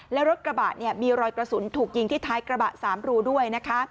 และรถกระบะมีรอยกระสุนถูกยิงที่ท้ายกระบะ๓รูด้วยนะคะ